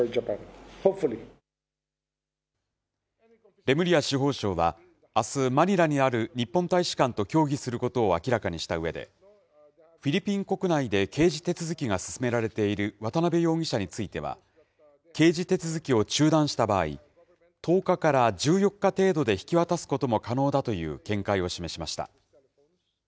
レムリア司法相は、あす、マニラにある日本大使館と協議することを明らかにしたうえで、フィリピン国内で刑事手続きが進められている渡邉容疑者については、刑事手続きを中断した場合、１０日から１４日程度で引き渡すことも可能だという見解を示しました。